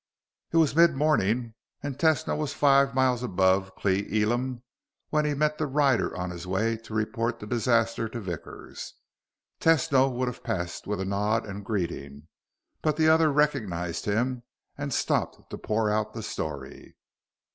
It was midmorning and Tesno was five miles above Cle Elum when he met the rider on his way to report the disaster to Vickers. Tesno would have passed with a nod and greeting, but the other recognized him and stopped to pour out the story.